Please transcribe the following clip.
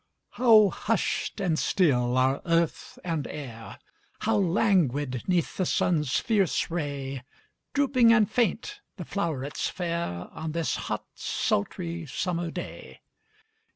How hushed and still are earth and air, How languid 'neath the sun's fierce ray Drooping and faint the flowrets fair, On this hot, sultry, summer day!